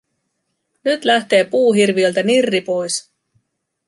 Nyt lähtee puuhirviöltä nirri pois.